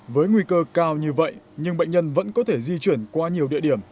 với nguy cơ cao như vậy nhưng bệnh nhân vẫn có thể di chuyển qua nhiều địa điểm